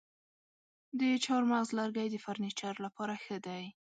د چهارمغز لرګی د فرنیچر لپاره ښه دی.